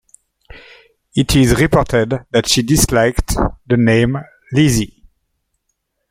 It is reported that she disliked the name Lizzie.